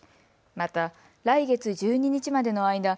また来月１２日までの間